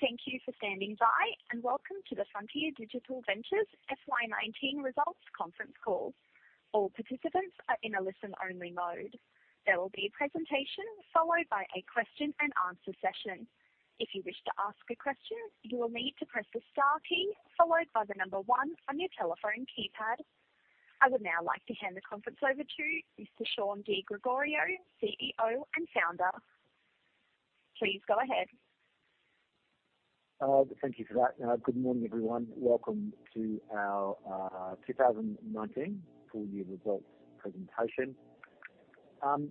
Thank you for standing by, and welcome to the Frontier Digital Ventures FY 2019 Results Conference Call. All participants are in a listen-only mode. There will be a presentation followed by a question and answer session. If you wish to ask a question, you will need to press the star key followed by the number one on your telephone keypad. I would now like to hand the conference over to Mr. Shaun Di Gregorio, CEO and Founder. Please go ahead. Thank you for that. Good morning, everyone. Welcome to our 2019 full year results presentation.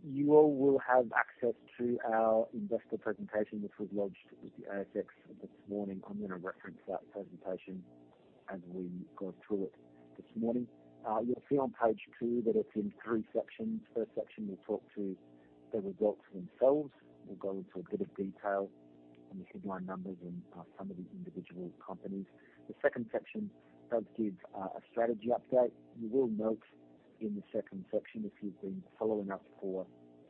You all will have access to our investor presentation, which was lodged with the ASX this morning. I'm going to reference that presentation as we go through it this morning. You'll see on page two that it's in three sections. First section, we'll talk to the results themselves. We'll go into a bit of detail on the headline numbers and some of the individual companies. The second section does give a strategy update. You will note in the second section, if you've been following us for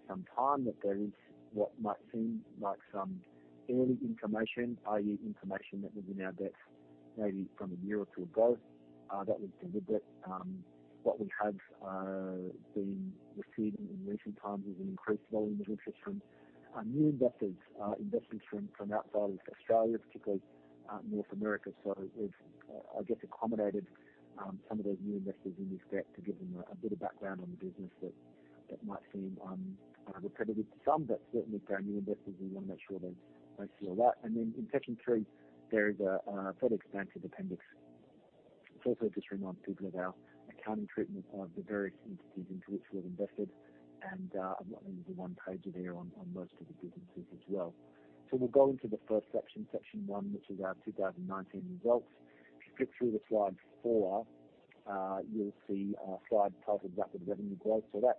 some time, that there is what might seem like some early information, i.e., information that was in our decks maybe from a year or two ago. That was delivered. What we have been receiving in recent times is an increased volume of interest from new investors from outside of Australia, particularly North America. We've, I guess, accommodated some of those new investors in this deck to give them a bit of background on the business that might seem repetitive to some, but certainly for our new investors, we want to make sure they see all that. In section three, there is a fairly expansive appendix. It's also just reminds people of our accounting treatment of the various entities into which we've invested. I've got maybe the one-pager there on most of the businesses as well. We'll go into the first section one, which is our 2019 results. If you flip through to slide four, you'll see a slide titled Rapid Revenue Growth. That,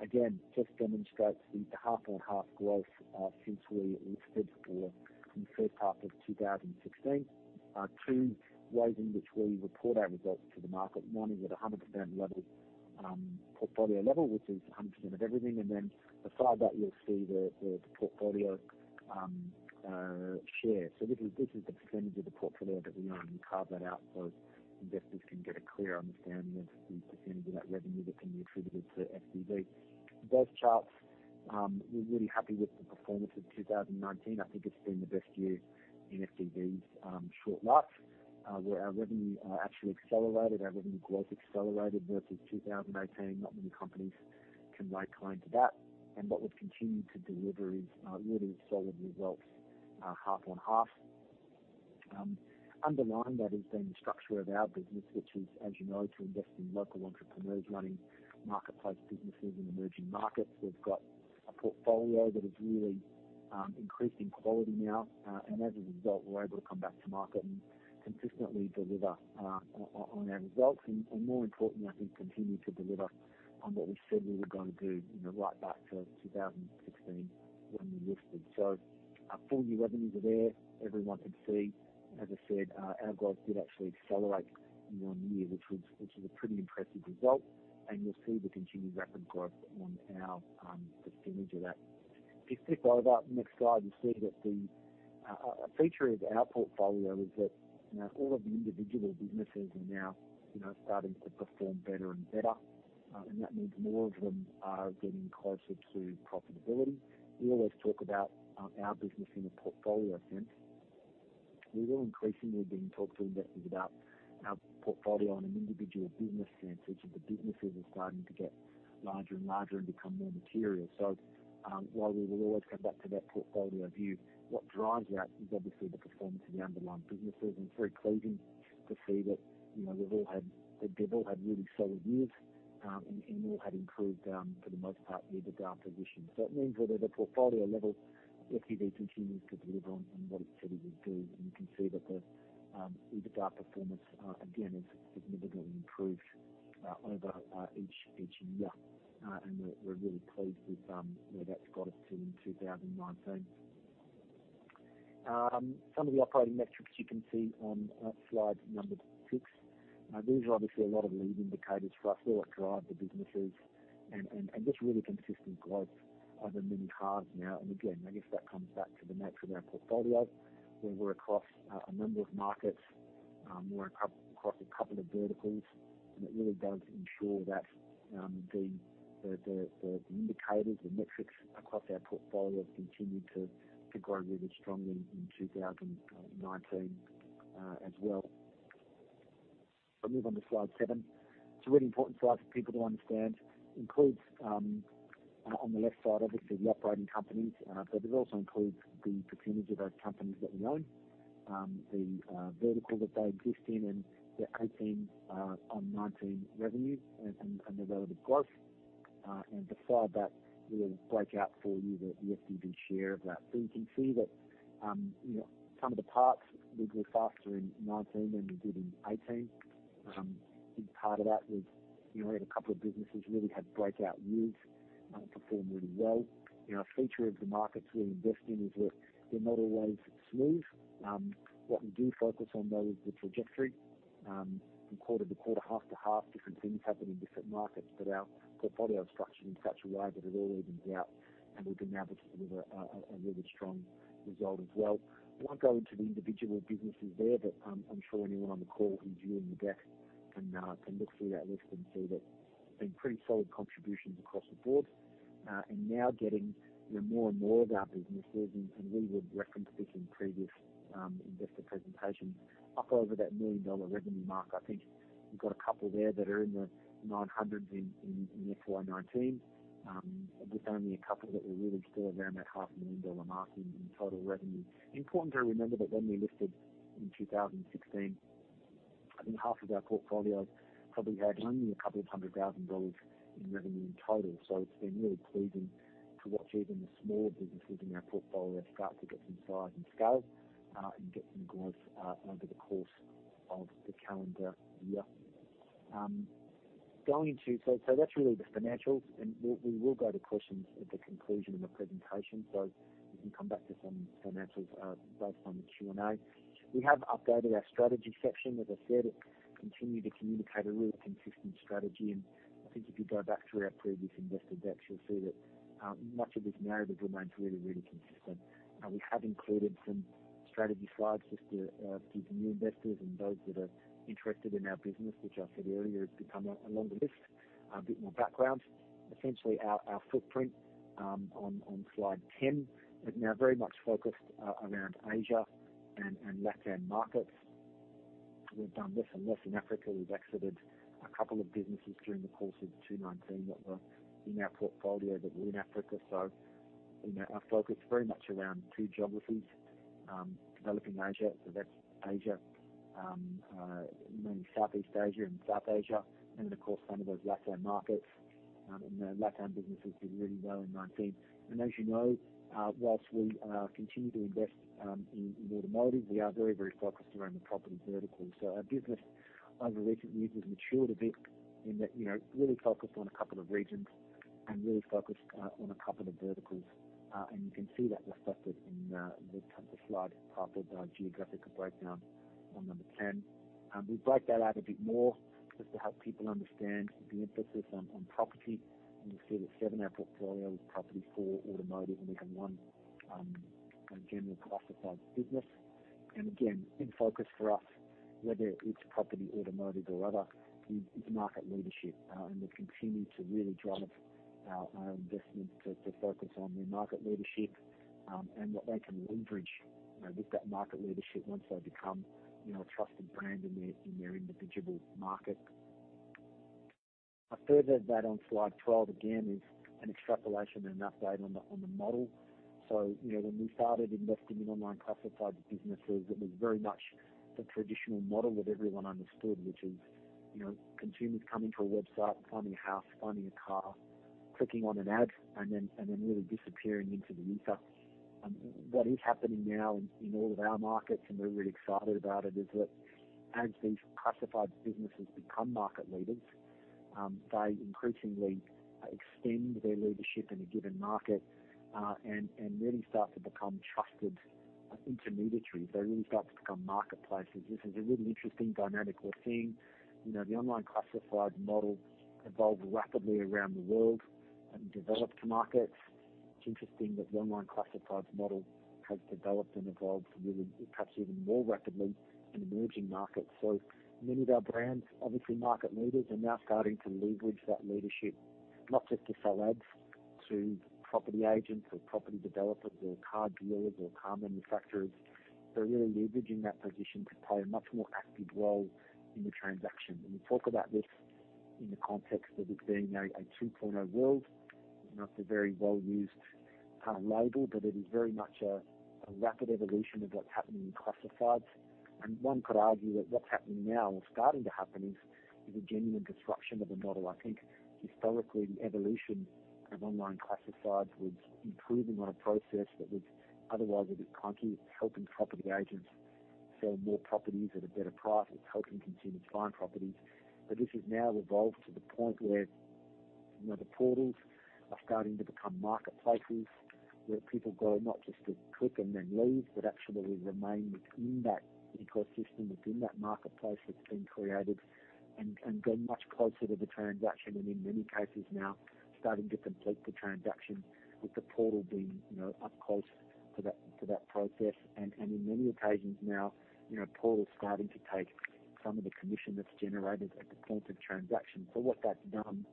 again, just demonstrates the half-on-half growth, since we listed in the third half of 2016. Two ways in which we report our results to the market. One is at 100% portfolio level, which is 100% of everything. Then beside that, you'll see the portfolio share. This is the percentage of the portfolio that we own. We carve that out so investors can get a clear understanding of the percentage of that revenue that can be attributed to FDV. Both charts, we're really happy with the performance of 2019. I think it's been the best year in FDV's short life, where our revenue actually accelerated, our revenue growth accelerated versus 2018. Not many companies can lay claim to that. What we've continued to deliver is really solid results, half on half. Underneath that has been the structure of our business, which is, as you know, to invest in local entrepreneurs running marketplace businesses in emerging markets. We've got a portfolio that has really increased in quality now. As a result, we're able to come back to market and consistently deliver on our results. More importantly, I think, continue to deliver on what we said we were going to do right back to 2016 when we listed. Our full-year revenues are there. Everyone can see, as I said, our growth did actually accelerate year-on-year, which was a pretty impressive result. You'll see the continued rapid growth on our percentage of that. If you flip over, next slide, you'll see that a feature of our portfolio is that all of the individual businesses are now starting to perform better and better. That means more of them are getting closer to profitability. We always talk about our business in a portfolio sense. We will increasingly being talked to investors about our portfolio in an individual business sense. Each of the businesses are starting to get larger and larger and become more material. While we will always come back to that portfolio view, what drives that is obviously the performance of the underlying businesses. It's very pleasing to see that they've all had really solid years, and all have improved, for the most part, the EBITDA position. It means that at a portfolio level, FDV continues to deliver on what it said it would do. You can see that the EBITDA performance, again, has significantly improved over each year. We're really pleased with where that's got us to in 2019. Some of the operating metrics you can see on slide number six. These are obviously a lot of lead indicators for us, what drive the businesses, and just really consistent growth over many halves now. Again, I guess that comes back to the nature of our portfolio, where we're across a number of markets, we're across a couple of verticals, and it really does ensure that the indicators, the metrics across our portfolio have continued to grow really strongly in 2019 as well. If I move on to slide seven. It's a really important slide for people to understand. Includes, on the left side, obviously, the operating companies, but it also includes the percentage of those companies that we own, the vertical that they exist in, and their 2018 on 2019 revenue and their relative growth. Beside that, we break out for you the FDV share of that. You can see that some of the parts did grow faster in 2019 than we did in 2018. I think part of that was we had a couple of businesses really had breakout years, performed really well. A feature of the markets we invest in is that they're not always smooth. What we do focus on, though, is the trajectory. From quarter to quarter, half to half, different things happen in different markets, but our portfolio is structured in such a way that it all evens out, and we've been able to deliver a really strong result as well. I won't go into the individual businesses there, but I'm sure anyone on the call who's viewing the deck can look through that list and see that there's been pretty solid contributions across the board. Now getting more and more of our businesses, and we would reference this in previous investor presentations, up over that MYR 1 million revenue mark. I think we've got a couple there that are in the MYR 900s in FY 2019, with only a couple that were really still around that MYR 0.5 million mark in total revenue. Important to remember that when we listed in 2016, I think half of our portfolio probably had only a couple of hundred thousand in revenue in total. It's been really pleasing to watch even the smaller businesses in our portfolio start to get some size and scale and get some growth over the course of the calendar year. That's really the financials, and we will go to questions at the conclusion of the presentation, so we can come back to some financials based on the Q&A. We have updated our strategy section. As I said, continue to communicate a really consistent strategy, and I think if you go back through our previous investor decks, you'll see that much of this narrative remains really consistent. We have included some strategy slides just to give the new investors and those that are interested in our business, which I said earlier has become a longer list, a bit more background. Essentially, our footprint on slide 10 is now very much focused around Asia and LatAm markets. We've done less and less in Africa. We've exited a couple of businesses during the course of 2019 that were in our portfolio that were in Africa. Our focus is very much around two geographies, developing Asia. That's Asia, mainly Southeast Asia and South Asia, and of course, some of those LatAm markets. The LatAm businesses did really well in 2019. As you know, whilst we continue to invest in automotive, we are very focused around the property vertical. Our business over recent years has matured a bit in that really focused on a couple of regions and really focused on a couple of verticals. You can see that reflected in the slide titled Geographical Breakdown on number 10. We break that out a bit more just to help people understand the emphasis on property. You'll see that seven, our portfolio is property, four automotive, and even one general classified business. Again, in focus for us, whether it's property, automotive or other, is market leadership. We continue to really drive our investment to focus on new market leadership and what they can leverage with that market leadership once they become a trusted brand in their individual market. Further to that on slide 12, again, is an extrapolation and an update on the model. When we started investing in online classified businesses, it was very much the traditional model that everyone understood, which is consumers coming to a website, finding a house, finding a car, clicking on an ad, and then really disappearing into the ether. What is happening now in all of our markets, and we're really excited about it, is that as these classified businesses become market leaders, they increasingly extend their leadership in a given market and really start to become trusted intermediaries. They really start to become marketplaces. This is a really interesting dynamic we're seeing. The online classified model evolved rapidly around the world in developed markets. It's interesting that the online classified model has developed and evolved really perhaps even more rapidly in emerging markets. Many of our brands, obviously market leaders, are now starting to leverage that leadership, not just to sell ads to property agents or property developers or car dealers or car manufacturers. They're really leveraging that position to play a much more active role in the transaction. We talk about this in the context of it being a 2.0 world. It's a very well-used label, but it is very much a rapid evolution of what's happening in classifieds. One could argue that what's happening now or starting to happen is a genuine disruption of the model. I think historically, the evolution of online classifieds was improving on a process that was otherwise a bit clunky, helping property agents sell more properties at a better price. It's helping consumers find properties. This has now evolved to the point where the portals are starting to become marketplaces where people go not just to click and then leave, but actually remain within that ecosystem, within that marketplace that's been created and go much closer to the transaction, and in many cases now starting to complete the transaction with the portal being up close to that process. In many occasions now, portals starting to take some of the commission that's generated at the point of transaction. What that's done,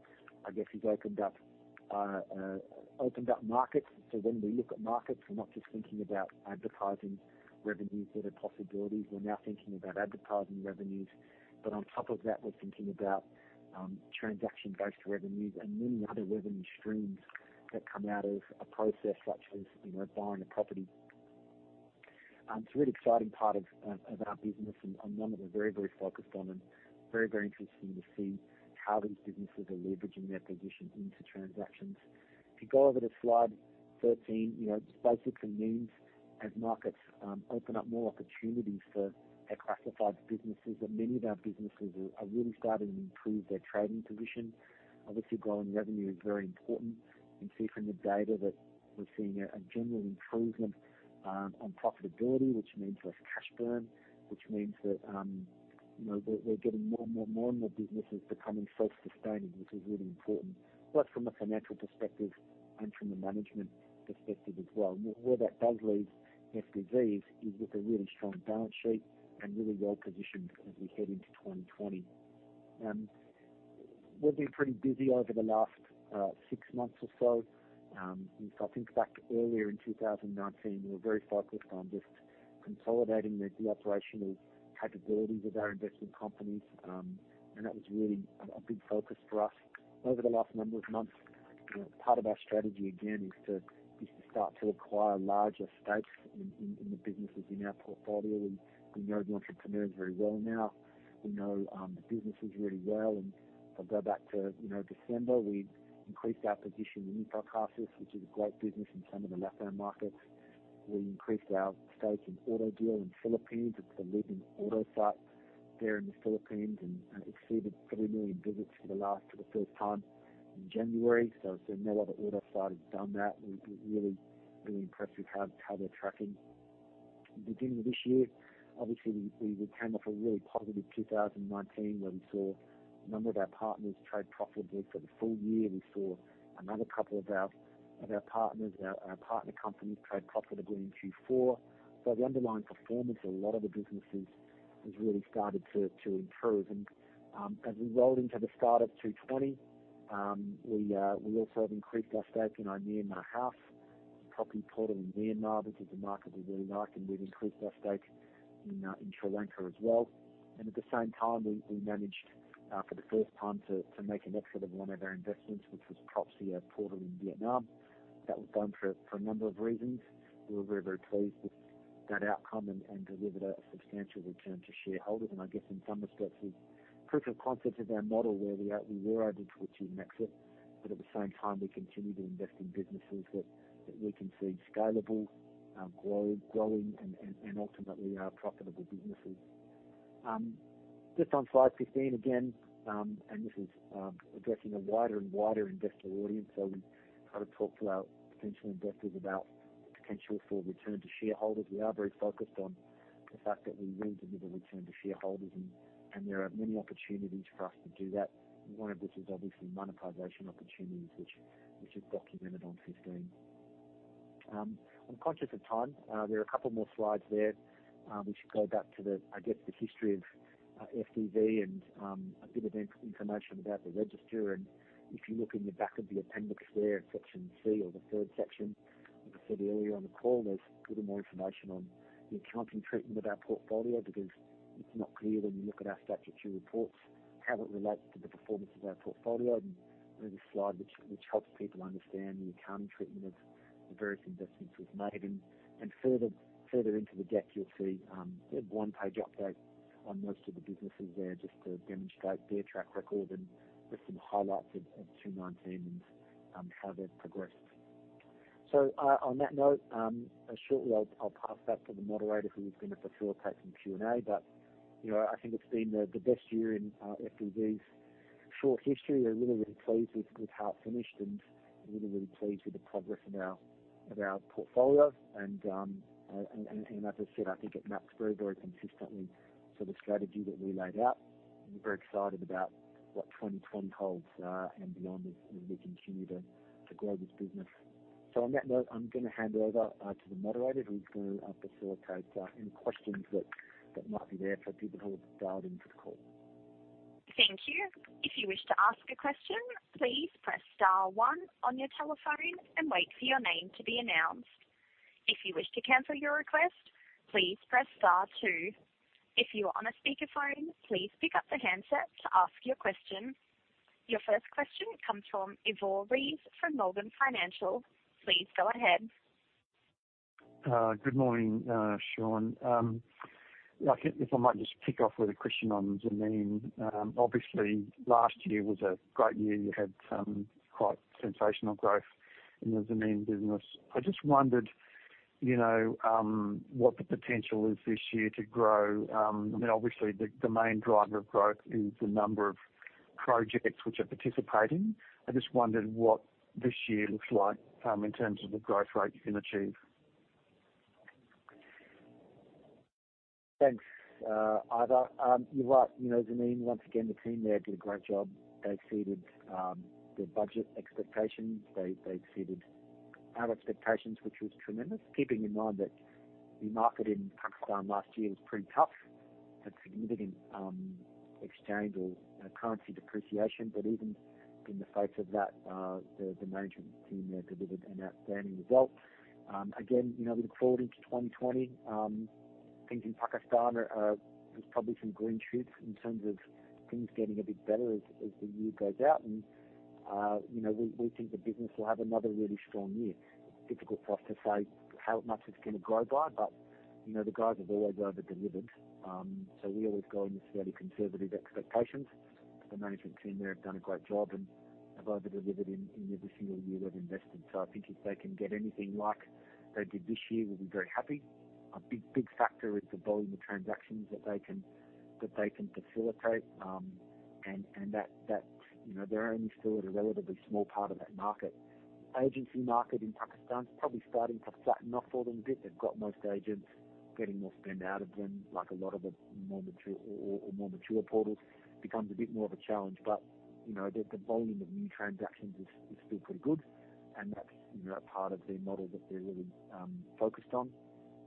I guess, is opened up markets. When we look at markets, we're not just thinking about advertising revenues that are possibilities. We're now thinking about advertising revenues, but on top of that, we're thinking about transaction-based revenues and many other revenue streams that come out of a process such as buying a property. It's a really exciting part of our business and one that we're very focused on and very interested in to see how these businesses are leveraging their position into transactions. If you go over to slide 13, just Zameen as markets open up more opportunities for our classified businesses, and many of our businesses are really starting to improve their trading position. Obviously, growing revenue is very important. You can see from the data that we're seeing a general improvement on profitability, which means less cash burn, which means that we're getting more and more, and the business is becoming self-sustaining, which is really important, both from a financial perspective and from a management perspective as well. Where that does leave FDV is with a really strong balance sheet and really well-positioned as we head into 2020. We've been pretty busy over the last six months or so. If I think back to earlier in 2019, we were very focused on just consolidating the operational capabilities of our investment companies. That was really a big focus for us. Over the last number of months, part of our strategy, again, is to start to acquire larger stakes in the businesses in our portfolio. We know the entrepreneurs very well now. We know the businesses really well. If I go back to December, we increased our position in InfoCasas, which is a great business in some of the Latin markets. We increased our stake in AutoDeal in the Philippines. It's the leading auto site there in the Philippines, exceeded three million visits for the first time in January. No other auto site has done that. We're really impressed with how they're tracking. At the beginning of this year, obviously, we came off a really positive 2019 where we saw a number of our partners trade profitably for the full year. We saw another couple of our partner companies trade profitably in Q4. The underlying performance of a lot of the businesses has really started to improve. As we rolled into the start of 2020, we also have increased our stake in iMyanmarHouse, a property portal in Myanmar. This is a market we really like. We've increased our stake in Sri Lanka as well. At the same time, we managed, for the first time, to make an exit of one of our investments, which was Propzy portal in Vietnam. That was done for a number of reasons. We were very, very pleased with that outcome and delivered a substantial return to shareholders. I guess in some respects, the proof of concept of our model where we were able to achieve an exit, but at the same time, we continue to invest in businesses that we can see scalable, growing, and ultimately are profitable businesses. Just on slide 15, again, this is addressing a wider and wider investor audience. We talk to our potential investors about potential for return to shareholders. We are very focused on the fact that we will deliver return to shareholders, and there are many opportunities for us to do that. One of which is obviously monetization opportunities, which is documented on 15. I'm conscious of time. There are a couple more slides there, which go back to the history of FDV and a bit of information about the register. If you look in the back of the appendix there in section C or the third section, as I said earlier on the call, there's a bit of more information on the accounting treatment of our portfolio, because it's not clear when you look at our statutory reports how it relates to the performance of our portfolio. There's a slide which helps people understand the accounting treatment of the various investments we've made. Further into the deck, you'll see a one-page update on most of the businesses there just to demonstrate their track record and with some highlights of 2019 and how they've progressed. On that note, shortly, I'll pass back to the moderator who is going to facilitate some Q&A. I think it's been the best year in FDV's short history. We're really, really pleased with how it finished and really, really pleased with the progress of our portfolio. As I said, I think it maps very, very consistently to the strategy that we laid out. We're very excited about what 2020 holds and beyond as we continue to grow this business. On that note, I'm going to hand over to the moderator who's going to facilitate any questions that might be there for people who have dialed into the call. Thank you. If you wish to ask a question, please press star one on your telephone and wait for your name to be announced. If you wish to cancel your request, please press star two. If you are on a speakerphone, please pick up the handset to ask your question. Your first question comes from Ivor Ries from Morgans Financial. Please go ahead. Good morning, Shaun. If I might just kick off with a question on Zameen.com. Obviously, last year was a great year. You had quite sensational growth in the Zameen.com Business. I just wondered what the potential is this year to grow. Obviously, the main driver of growth is the number of projects which are participating. I just wondered what this year looks like in terms of the growth rate you can achieve. Thanks, Ivor. You're right. Zameen.com, once again, the team there did a great job. They exceeded their budget expectations. They exceeded our expectations, which was tremendous. Keeping in mind that the market in Pakistan last year was pretty tough. Had significant exchange or currency depreciation. Even in the face of that, the management team there delivered an outstanding result. Again, looking forward into 2020, things in Pakistan, there's probably some green shoots in terms of things getting a bit better as the year goes out. We think the business will have another really strong year. Difficult for us to say how much it's going to grow by, but the guys have always over-delivered. We always go in with fairly conservative expectations. The management team there have done a great job and have over-delivered in every single year we've invested. I think if they can get anything like they did this year, we'll be very happy. A big factor is the volume of transactions that they can facilitate. They're only still at a relatively small part of that market. Agency market in Pakistan is probably starting to flatten off for them a bit. They've got most agents getting more spend out of them, like a lot of the more mature portals. Becomes a bit more of a challenge, but the volume of new transactions is still pretty good. That's a part of their model that they're really focused on.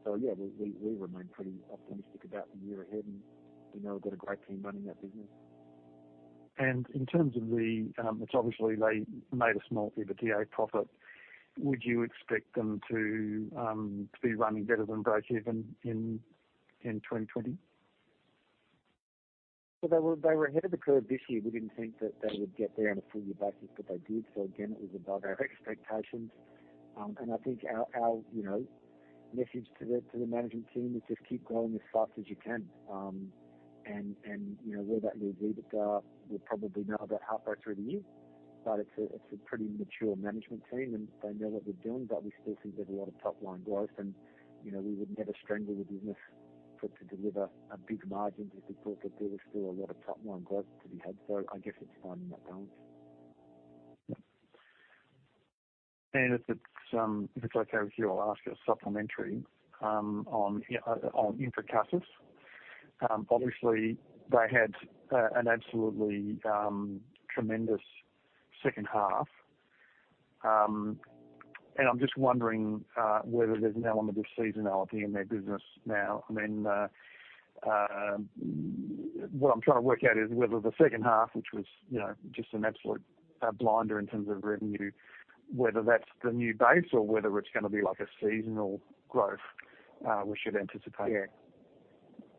Yeah, we remain pretty optimistic about the year ahead, and we've got a great team running that business. In terms of the-, it is obviously they made a small EBITDA profit. Would you expect them to be running better than breakeven in 2020? They were ahead of the curve this year. We didn't think that they would get there on a full year basis, but they did. Again, it was above our expectations. I think our message to the management team is just keep growing as fast as you can. Where that leaves EBITDA, we'll probably know about halfway through the year. It's a pretty mature management team, and they know what they're doing, but we still think there's a lot of top-line growth and we would never strangle the business for it to deliver a big margin, just because there is still a lot of top-line growth to be had. I guess it's finding that balance. If it's okay with you, I'll ask a supplementary on InfoCasas. Obviously, they had an absolutely tremendous H2. I'm just wondering whether there's an element of seasonality in their business now. What I'm trying to work out is whether the H2, which was just an absolute blinder in terms of revenue, whether that's the new base or whether it's going to be like a seasonal growth we should anticipate.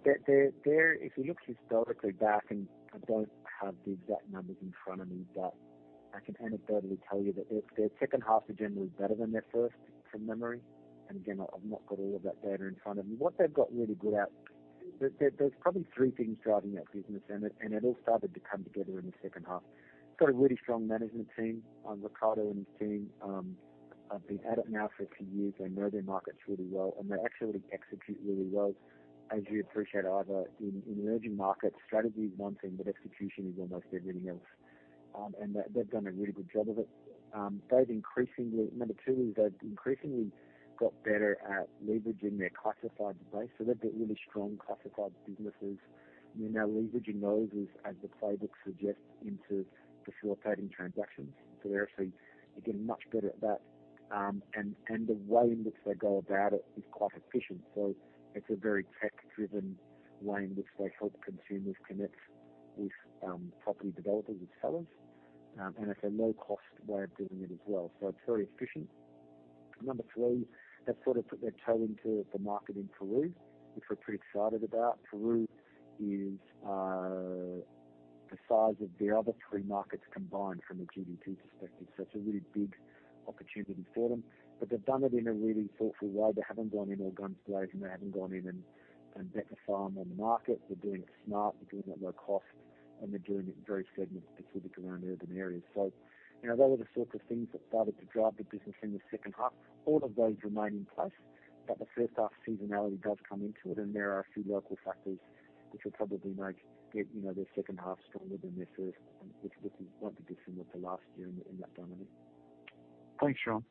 If you look historically back, I don't have the exact numbers in front of me, but I can anecdotally tell you that their H2s are generally better than their first, from memory. Again, I've not got all of that data in front of me. What they've got really good at, there's probably three things driving that business, and it all started to come together in the H2. they've got a really strong management team. Ricardo and his team have been at it now for a few years. They know their markets really well, and they actually execute really well. As you appreciate, Oliver, in emerging markets, strategy is one thing, but execution is almost everything else. They've done a really good job of it. Number two is they've increasingly got better at leveraging their classified base. They've got really strong classified businesses. Now leveraging those as the playbook suggests into facilitating transactions. They're actually getting much better at that. The way in which they go about it is quite efficient. It's a very tech-driven way in which they help consumers connect with property developers and sellers. It's a low-cost way of doing it as well. It's very efficient. Number three, they've sort of put their toe into the market in Peru, which we're pretty excited about. Peru is the size of their other three markets combined from a GDP perspective. It's a really big opportunity for them, but they've done it in a really thoughtful way. They haven't gone in all guns blazing. They haven't gone in and bet the farm on the market. They're doing it smart, they're doing it low cost, and they're doing it very segment specific around urban areas. Those are the sorts of things that started to drive the business in the H2. All of those remain in place, but the H1 seasonality does come into it, and there are a few local factors which will probably make their H2 stronger than their first, which won't be dissimilar to last year in that dynamic. Thanks, Shaun.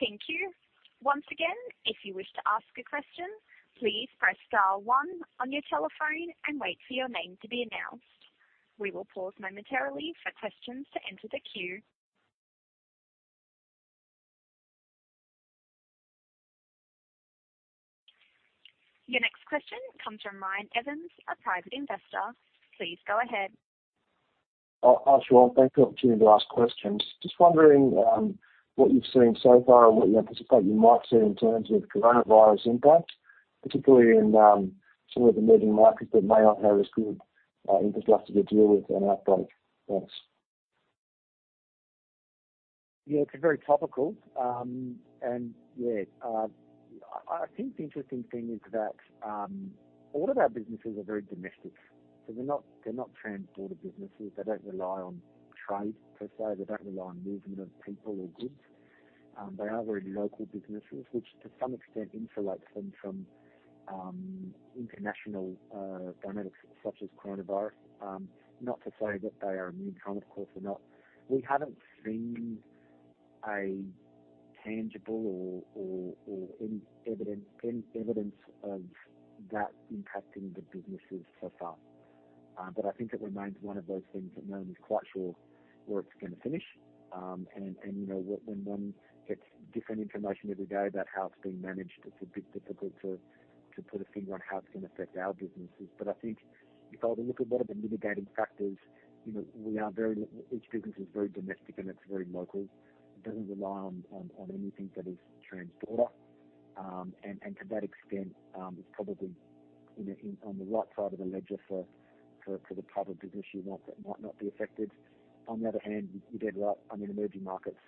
Thank you. Once again, if you wish to ask a question, please press star one on your telephone and wait for your name to be announced. We will pause momentarily for questions to enter the queue. Your next question comes from Ryan Evans, a private investor. Please go ahead. Hi, Shaun. Thanks for the opportunity to ask questions. Just wondering what you've seen so far and what you anticipate you might see in terms of coronavirus impact, particularly in some of the emerging markets that may not have as good infrastructure to deal with an outbreak. Thanks. It's very topical. I think the interesting thing is that all of our businesses are very domestic. They're not transporter businesses. They don't rely on trade, per se. They don't rely on movement of people or goods. They are very local businesses, which to some extent insulates them from international dynamics such as coronavirus. Not to say that they are immune from it, of course they're not. We haven't seen a tangible or any evidence of that impacting the businesses so far. I think it remains one of those things that no one is quite sure where it's going to finish. When one gets different information every day about how it's being managed, it's a bit difficult to put a finger on how it's going to affect our businesses. I think if I were to look at a lot of the mitigating factors, each business is very domestic and it's very local. It doesn't rely on anything that is transporter. To that extent, it's probably on the right side of the ledger for the type of business unit that might not be affected. On the other hand, you're dead right on emerging markets.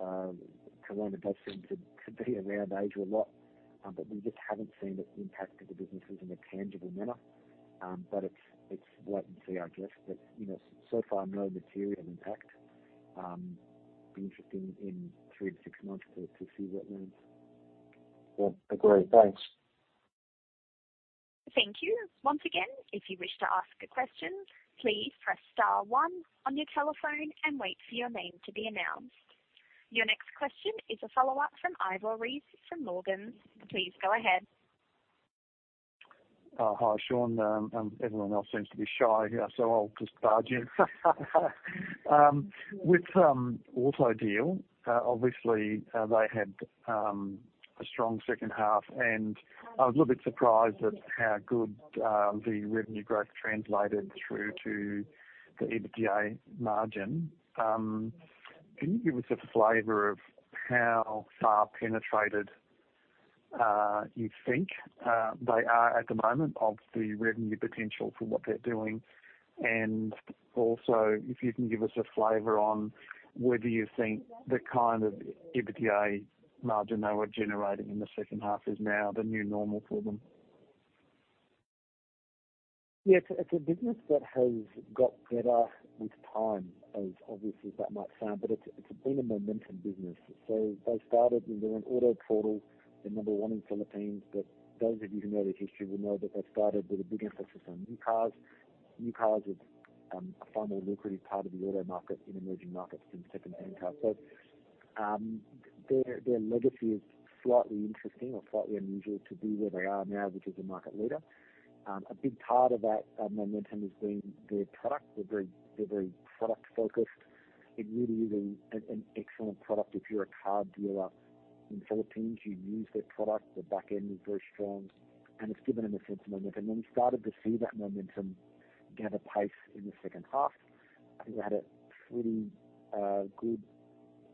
coronavirus does seem to be around Asia a lot. We just haven't seen it impact the businesses in a tangible manner. It's latency I guess. So far, no material impact. Be interesting in three to six months to see what moves. Yeah. Agree. Thanks. Thank you. Once again, if you wish to ask a question, please press star one on your telephone and wait for your name to be announced. Your next question is a follow-up from Ivor Ries from Morgans Financial. Please go ahead. Hi, Shaun. Everyone else seems to be shy here, I'll just barge in. With AutoDeal, obviously, they had a strong H2, I was a little bit surprised at how good the revenue growth translated through to the EBITDA margin. Can you give us a flavor of how far penetrated you think they are at the moment of the revenue potential for what they're doing? Also, if you can give us a flavor on whether you think the kind of EBITDA margin they were generating in the H2 is now the new normal for them. Yeah. It's a business that has got better with time, as obvious as that might sound, but it's been a momentum business. They started, they were an auto portal. They're number one in Philippines, but those of you who know their history will know that they started with a big emphasis on new cars. New cars are a far more lucrative part of the auto market in emerging markets than secondhand cars. Their legacy is slightly interesting or slightly unusual to be where they are now, which is a market leader. A big part of that momentum has been their product. They're very product-focused. It really is an excellent product. If you're a car dealer in the Philippines, you use their product. The back end is very strong, and it's given them a sense of momentum. We started to see that momentum gather pace in the H2. I think they had a pretty good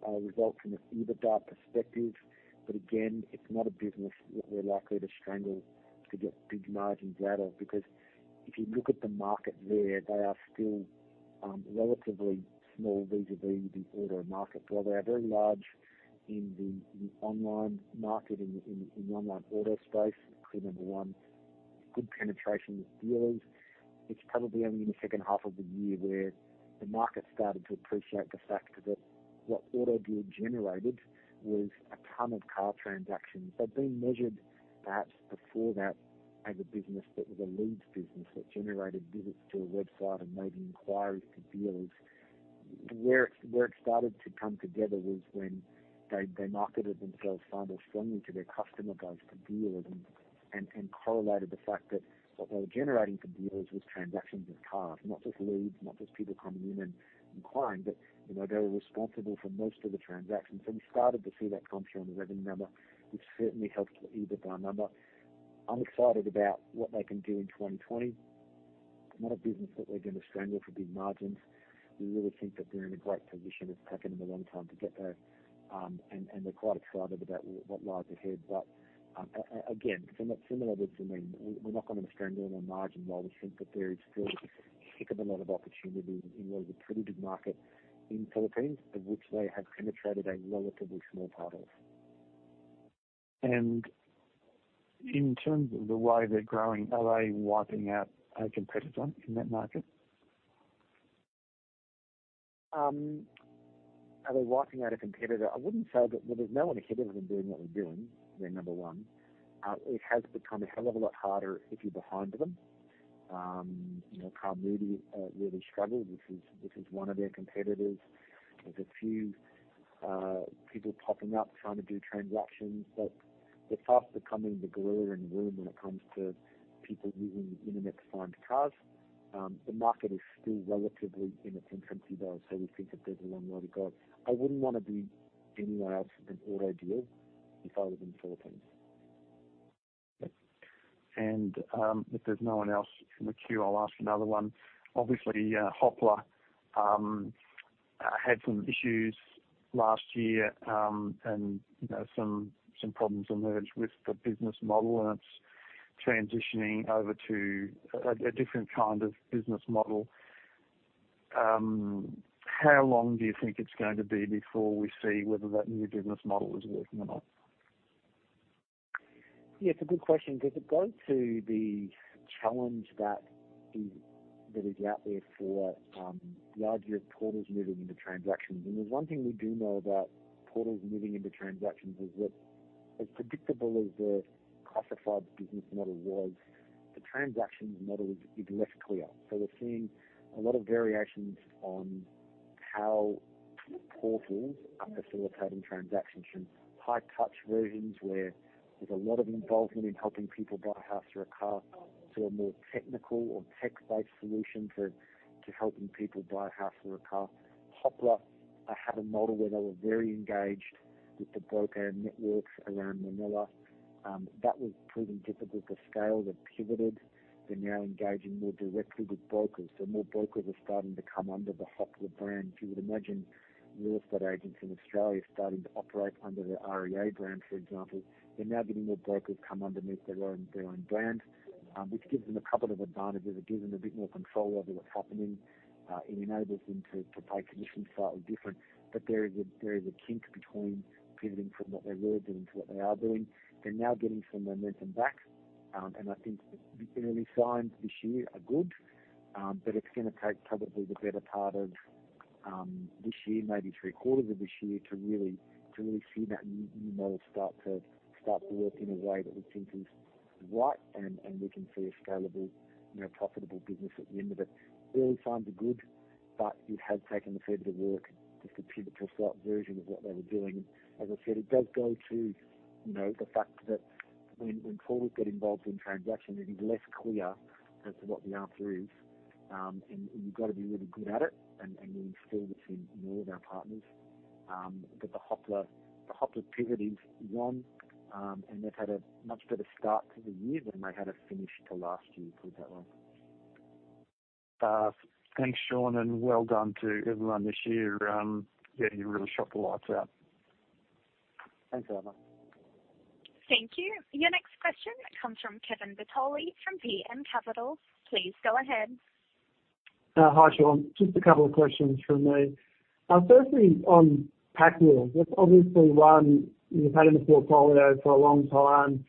result from an EBITDA perspective. Again, it's not a business that we're likely to strangle to get big margins out of because if you look at the market there, they are still relatively small vis-à-vis the auto market. While they are very large in the online market, in the online auto space, clearly number one, good penetration with dealers. It's probably only in the H2 of the year where the market started to appreciate the fact that what AutoDeal generated was a ton of car transactions. They've been measured, perhaps before that, as a business that was a leads business that generated visits to a website and made inquiries to dealers. Where it started to come together was when they marketed themselves far more strongly to their customer base, to dealers, and correlated the fact that what they were generating for dealers was transactions of cars, not just leads, not just people coming in and inquiring, but they were responsible for most of the transactions. We started to see that come through on the revenue number, which certainly helped the EBITDA number. I'm excited about what they can do in 2020. Not a business that we're going to strangle for big margins. We really think that they're in a great position. It's taken them a long time to get there, and we're quite excited about what lies ahead. Again, similar with Zameen.com, we are not going to strangle them on margin while we think that there is still a heck of a lot of opportunity in what is a pretty big market in Philippines, of which they have penetrated a relatively small part of. In terms of the way they're growing, are they wiping out a competitor in that market? Are they wiping out a competitor? I wouldn't say that. Well, there's no one competitor that doing what they're doing. They're number one. It has become a hell of a lot harder if you're behind them. Carmudi really struggled, which is one of their competitors. There's a few people popping up trying to do transactions, the faster coming the glare and room when it comes to people using the internet to find cars. The market is still relatively in its infancy, though, we think that there's a long way to go. I wouldn't want to be anyone else but AutoDeal if I were in Philippines. If there's no one else in the queue, I'll ask another one. Obviously, Hoppler had some issues last year, and some problems emerged with the business model, and it's transitioning over to a different kind of business model. How long do you think it's going to be before we see whether that new business model is working or not? Yeah, it's a good question because it goes to the challenge that is out there for the idea of portals moving into transactions. There's one thing we do know about portals moving into transactions is that as predictable as the classifieds business model was, the transactions model is less clear. We're seeing a lot of variations on how portals are facilitating transactions from high touch versions, where there's a lot of involvement in helping people buy a house or a car to a more technical or tech-based solution to helping people buy a house or a car. Hoppler had a model where they were very engaged with the broker networks around Manila. That was proving difficult to scale. They've pivoted. They're now engaging more directly with brokers. More brokers are starting to come under the Hoppler brand. If you would imagine real estate agents in Australia starting to operate under the REA brand, for example. They're now getting more brokers come underneath their own brand, which gives them a couple of advantages. It gives them a bit more control over what's happening. It enables them to pay commissions slightly different. There is a kink between pivoting from what they were doing to what they are doing. They're now getting some momentum back, and I think the early signs this year are good, but it's going to take probably the better part of this year, maybe three quarters of this year, to really see that new model start to work in a way that we think is right, and we can see a scalable, profitable business at the end of it. Early signs are good, but it has taken a fair bit of work, just a pivotal slot version of what they were doing. As I said, it does go to the fact that when portals got involved in transactions, it is less clear as to what the answer is. You've got to be really good at it, and we instill this in all of our partners. The Hoppler pivot is one, and they've had a much better start to the year than they had a finish to last year, put it that way. Thanks, Shaun, and well done to everyone this year. Yeah, you really shut the lights out. Thanks, Ivor. Thank you. Your next question comes from Kevin Bertoli from PM Capital. Please go ahead. Hi, Shaun. Just a couple of questions from me. Firstly, on PakWheels, that's obviously one you've had in the portfolio for a long time.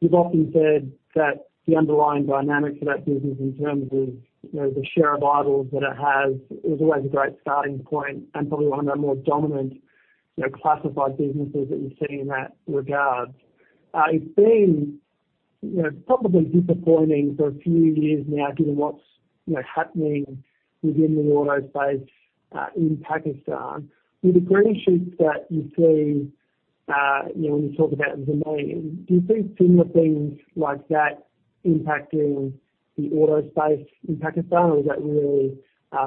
You've often said that the underlying dynamic for that business in terms of the share of eyeballs that it has, is always a great starting point and probably one of the more dominant classified businesses that you see in that regard. It's been probably disappointing for a few years now given what's happening within the auto space in Pakistan. With the green shoots that you see when you talk about Zameen.com, do you see similar things like that impacting the auto space in Pakistan? Is that really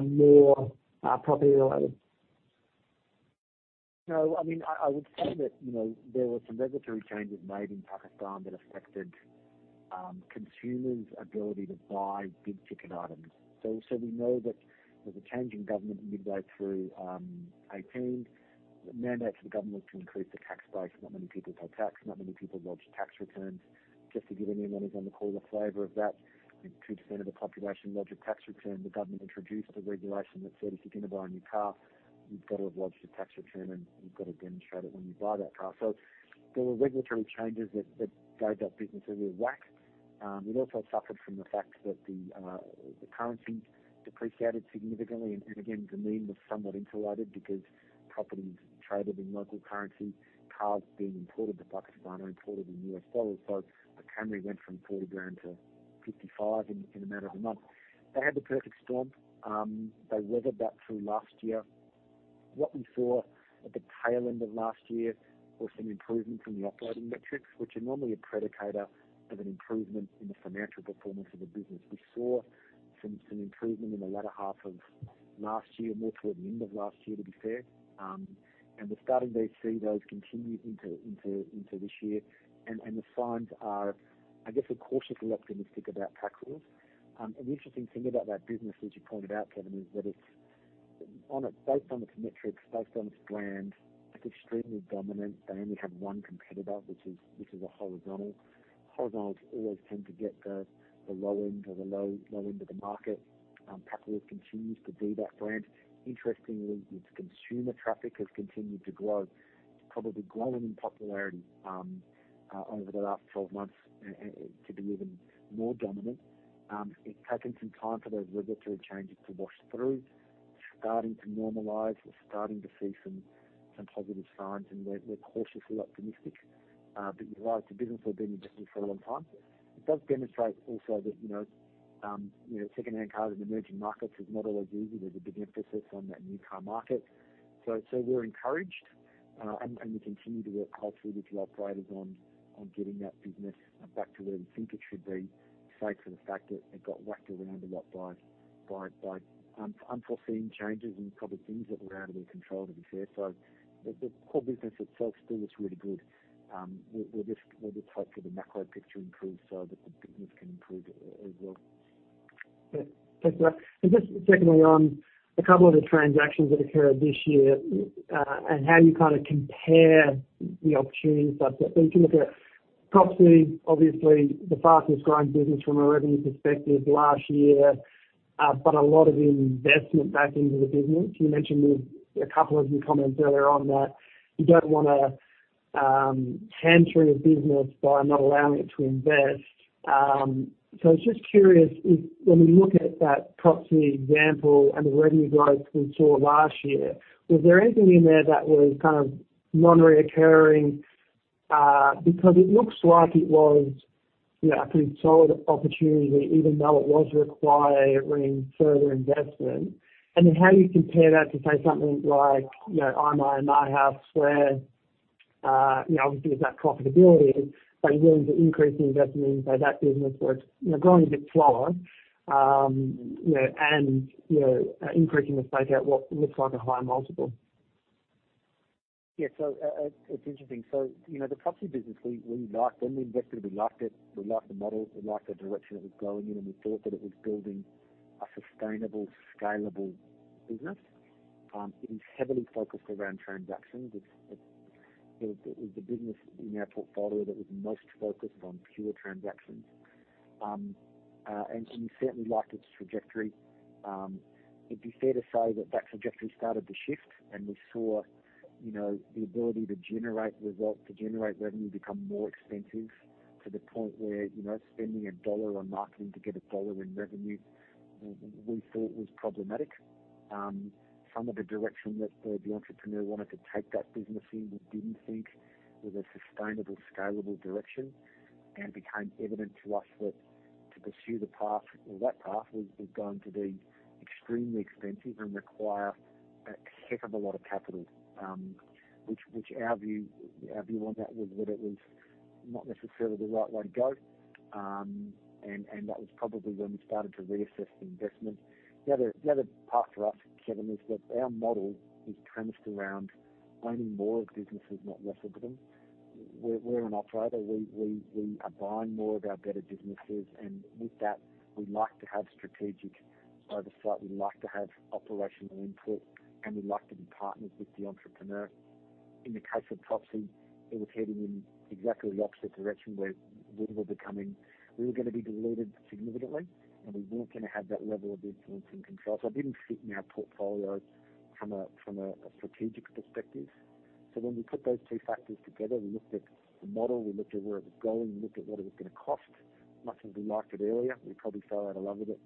more property related? I would say that there were some regulatory changes made in Pakistan that affected consumers' ability to buy big-ticket items. We know that there was a change in government midway through 2018. The mandate for the government was to increase the tax base. Not many people pay tax, not many people lodge tax returns. Just to give anyone who's on the call a flavor of that, I think 2% of the population lodge a tax return. The government introduced a regulation that said if you're going to buy a new car, you've got to have lodged a tax return, and you've got to demonstrate it when you buy that car. There were regulatory changes that gave that business a real whack. It also suffered from the fact that the currency depreciated significantly. Again, Zameen.com was somewhat insulated because property is traded in local currency, cars being imported to Pakistan are imported in U.S. dollars. So the Camry went from $40,000 to $55,000 in the matter of a month. They had the perfect storm. They weathered that through last year. What we saw at the tail end of last year was some improvement from the operating metrics, which are normally a predictor of an improvement in the financial performance of a business. We saw some improvement in the latter half of last year, more toward the end of last year, to be fair. We're starting to see those continue into this year. The signs are, I guess, we're cautiously optimistic about PakWheels. The interesting thing about that business, as you pointed out, Kevin, is that based on its metrics, based on its brand, it's extremely dominant. They only have one competitor, which is a horizontal. Horizontals always tend to get the low end of the market. PakWheels continues to be that brand. Interestingly, its consumer traffic has continued to grow. It's probably grown in popularity over the last 12 months to be even more dominant. It's taken some time for those regulatory changes to wash through. It's starting to normalize. We're starting to see some positive signs, and we're cautiously optimistic. We like the business, we've been in business for a long time. It does demonstrate also that secondhand cars in emerging markets is not always easy. There's a big emphasis on that new car market. We're encouraged, and we continue to work culturally with the operators on getting that business back to where we think it should be, save for the fact that it got whacked around a lot by unforeseen changes and probably things that were out of their control, to be fair. The core business itself still looks really good. We'll just hope that the macro picture improves so that the business can improve as well. Yeah. Thanks for that. Just secondly, on a couple of the transactions that occurred this year and how you compare the opportunity set that you can look at. Propzy, obviously the fastest growing business from a revenue perspective last year, but a lot of investment back into the business. You mentioned in a couple of your comments earlier on that you do not want to hamper a business by not allowing it to invest. I was just curious, when we look at that Propzy example and the revenue growth we saw last year, was there anything in there that was non-recurring? Because it looks like it was a pretty solid opportunity, even though it was requiring further investment. How do you compare that to, say, something like iMyanmarHouse where, obviously there's that profitability, but you're willing to increase the investment into that business where it's growing a bit slower, and increasing the stake at what looks like a higher multiple? Yeah. It's interesting. The Propzy business, when we invested, we liked it, we liked the model, we liked the direction it was going in, and we thought that it was building a sustainable, scalable business. It is heavily focused around transactions. It was the business in our portfolio that was most focused on pure transactions. We certainly liked its trajectory. It'd be fair to say that that trajectory started to shift, and we saw the ability to generate results, to generate revenue become more expensive to the point where spending a dollar on marketing to get a dollar in revenue, we thought was problematic. Some of the direction that the entrepreneur wanted to take that business in, we didn't think was a sustainable, scalable direction. Became evident to us that to pursue that path was going to be extremely expensive and require a heck of a lot of capital, which our view on that was that it was not necessarily the right way to go. That was probably when we started to reassess the investment. The other part for us, Kevin, is that our model is premised around owning more of businesses, not less of them. We're an operator. We are buying more of our better businesses. With that we like to have strategic oversight. We like to have operational input, and we like to be partners with the entrepreneur. In the case of Propzy, it was heading in exactly the opposite direction, where we were going to be diluted significantly, and we weren't going to have that level of influence and control. It didn't fit in our portfolio from a strategic perspective. When we put those two factors together, we looked at the model, we looked at where it was going, we looked at what it was going to cost. Much as we liked it earlier, we probably fell out of love with it.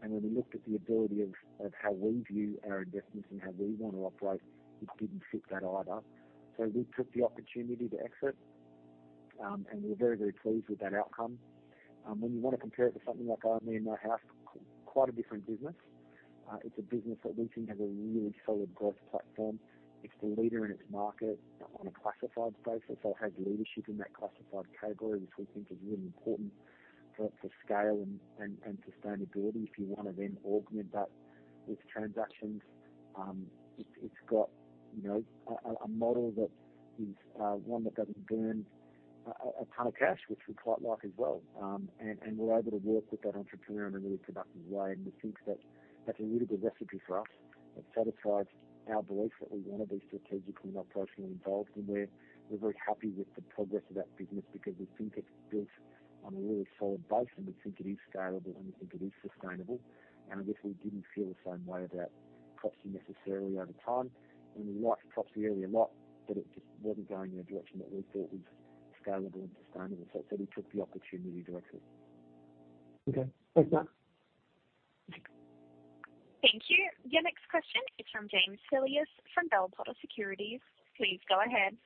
When we looked at the ability of how we view our investments and how we want to operate, it didn't fit that either. We took the opportunity to exit, and we were very pleased with that outcome. When you want to compare it to something like iMyanmarHouse, quite a different business. It's a business that we think has a really solid growth platform. It's the leader in its market on a classified basis or has leadership in that classified category, which we think is really important for scale and sustainability if you want to then augment that with transactions. It's got a model that is one that doesn't burn a ton of cash, which we quite like as well. We're able to work with that entrepreneur in a really productive way, and we think that that's a really good recipe for us that satisfies our belief that we want to be strategically and operationally involved. We're very happy with the progress of that business because we think it's built on a really solid base, and we think it is scalable, and we think it is sustainable. I guess we didn't feel the same way about Propzy necessarily over time. We liked Propzy earlier a lot, but it just wasn't going in a direction that we thought was scalable and sustainable. We took the opportunity directly. Okay. Thanks, Shaun. Thank you. Your next question is from James Silius from Bell Potter Securities. Please go ahead.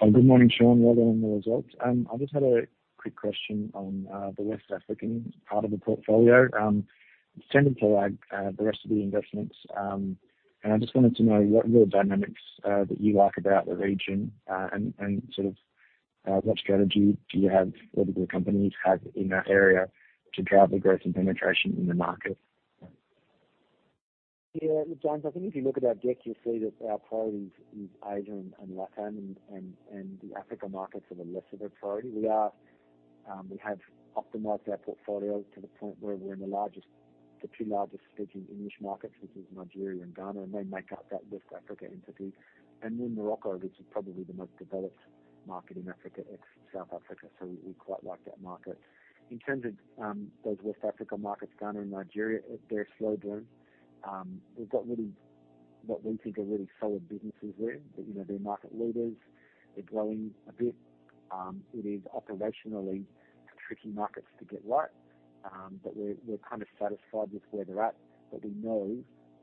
Good morning, Shaun. Well done on the results. I just had a quick question on the West African part of the portfolio. It's tended to lag the rest of the investments. I just wanted to know what are the dynamics that you like about the region, and what strategy do you have or do the companies have in that area to drive the growth and penetration in the market? Look, James, I think if you look at our deck, you'll see that our priority is Asia and LatAm, and the Africa markets are less of a priority. We have optimized our portfolio to the point where we're in the two largest speaking English markets, which is Nigeria and Ghana, and they make up that West Africa entity. We're in Morocco, which is probably the most developed market in Africa, ex-South Africa. We quite like that market. In terms of those West Africa markets, Ghana and Nigeria, they're slow blooms. We've got what we think are really solid businesses there. They're market leaders. They're growing a bit. It is operationally tricky markets to get right. We're kind of satisfied with where they're at. We know,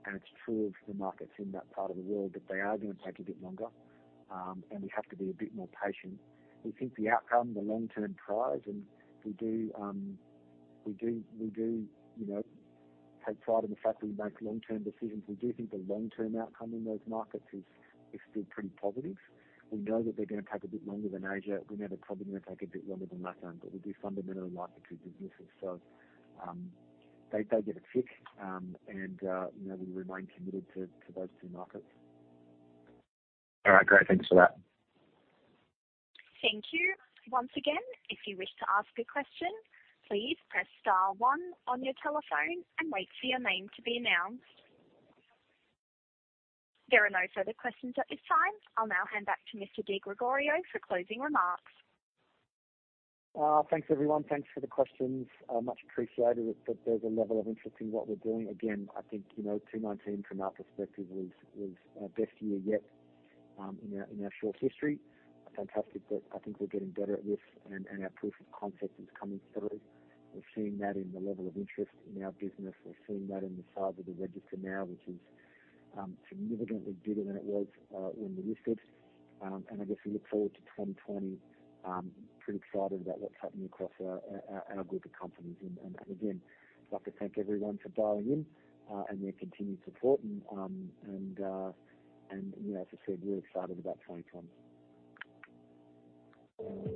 and it's true of the markets in that part of the world, that they are going to take a bit longer. We have to be a bit more patient. We think the outcome, the long-term prize, and we do take pride in the fact that we make long-term decisions. We do think the long-term outcome in those markets is still pretty positive. We know that they're going to take a bit longer than Asia. We know they're probably going to take a bit longer than LatAm, but we do fundamentally like the two businesses. They get a tick. We remain committed to those two markets. All right, great. Thanks for that. Thank you. Once again, if you wish to ask a question, please press star one on your telephone and wait for your name to be announced. There are no further questions at this time. I will now hand back to Mr. Di Gregorio for closing remarks. Thanks, everyone. Thanks for the questions. Much appreciated that there's a level of interest in what we're doing. I think 2019 from our perspective was our best year yet in our short history. Fantastic. I think we're getting better at this and our proof of concept is coming through. We're seeing that in the level of interest in our business. We're seeing that in the size of the register now, which is significantly bigger than it was when we listed. I guess we look forward to 2020. Pretty excited about what's happening across our group of companies. Again, I'd like to thank everyone for dialing in and their continued support. As I said, we're excited about 2020.